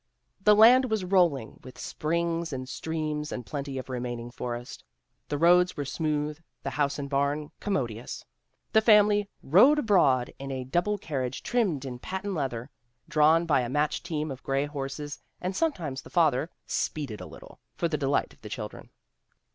The land was rolling, with springs and streams and plenty of remaining forest. The roads were smooth, the house and barn commodious ; the family "rode abroad in a double carriage trimmed in patent leather, drawn by a matched team of gray horses, and sometimes the father 'speeded a little' for the delight of the children."